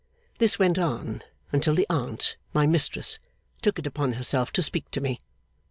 This went on, until the aunt, my Mistress, took it upon herself to speak to me.